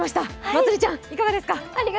まつりちゃん、いかがですか？